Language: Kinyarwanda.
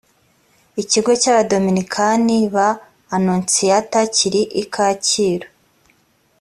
ikigo cy’ abadominikani ba anonsiyata kiri i kacyiru